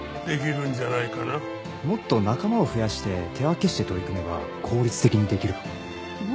もっと仲間を増やして手分けして取り組めば効率的にできるかも。